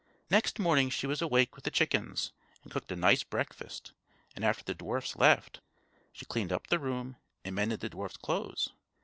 Next morning she was awake with the chickens, and cooked a nice breakfast; and after the dwarfs left, she cleaned up the room and mended the dwarfs' clothes.